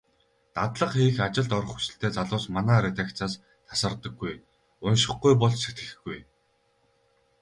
Дадлага хийх, ажилд орох хүсэлтэй залуус манай редакцаас тасардаггүй. УНШИХГҮЙ БОЛ СЭТГЭХГҮЙ.